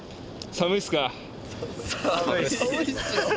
寒いっす。